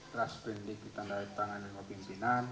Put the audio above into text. terus berindik di tangan tangan pimpinan